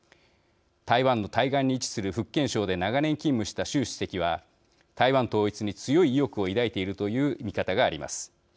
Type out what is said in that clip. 台湾の対岸に位置する福建省で長年勤務した習主席は台湾統一に強い意欲を抱いているという見方があります。